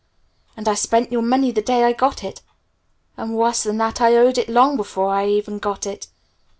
And I spent your money the day I got it; and worse than that I owed it long before I even got it!